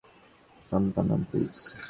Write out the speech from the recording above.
Santhanam, please.